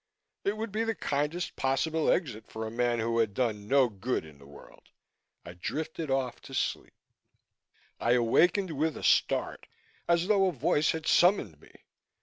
It would be the kindest possible exit for a man who had done no good in the world. I drifted off to sleep. I awakened with a start, as though a voice had summoned me.